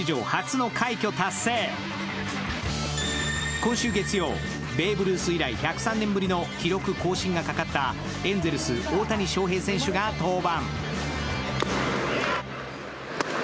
今週月曜、ベーブ・ルース以来１３０年ぶりの記録更新がかかったエンゼルス・大谷翔平選手が登板。